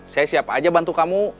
saya siapa aja bantu kamu